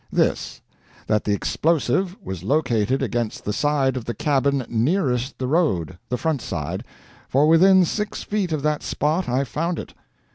This: that the explosive was located against the side of the cabin nearest the road the front side for within six feet of that spot I found it.